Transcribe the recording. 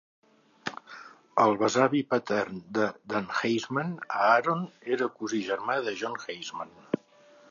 El besavi patern de Dan Heisman, Aaron, era cosí germà de John Heisman.